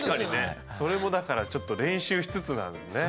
それもだからちょっと練習しつつなんですね。